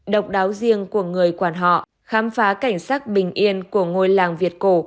độc đáo riêng của người quan họ khám phá cảnh sát bình yên của ngôi làng việt cổ